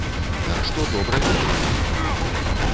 Так што добра ведаю іх!